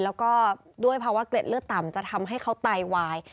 แล้วก็ด้วยภาวะเกล็ดเลือดต่ำจะทำให้เขาไตวาย